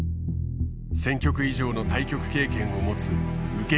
１，０００局以上の対局経験を持つ受け